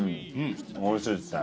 おいしいですね。